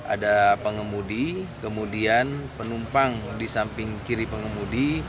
ada pengemudi kemudian penumpang di samping kiri pengemudi